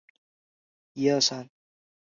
西安经济技术开发区位于西安市北城。